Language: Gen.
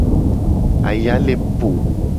Aya le po.